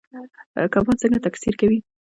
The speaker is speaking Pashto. کبان څنګه تکثیر کوي؟